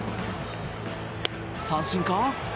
三振か？